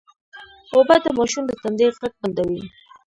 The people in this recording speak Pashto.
اوبه د ماشوم د تندې غږ بندوي